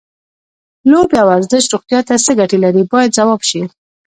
لوبې او ورزش روغتیا ته څه ګټې لري باید ځواب شي.